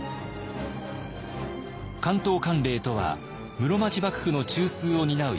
関東管領とは室町幕府の中枢を担う役職。